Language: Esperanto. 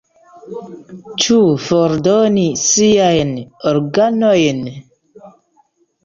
Ĉu fordoni siajn organojn?